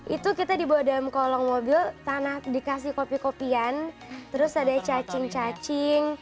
itu kita dibawa dalam kolong mobil tanah dikasih kopi kopian terus ada cacing cacing